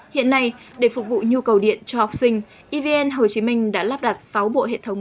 hiện nay để phục vụ nhu cầu điện cho học sinh evn hồ chí minh đã lắp đặt sáu bộ hệ thống